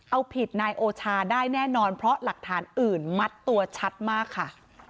เอาผิดนายโอชาได้แน่นอนเพราะหลักฐานอื่นมัดตัวชัดมากค่ะ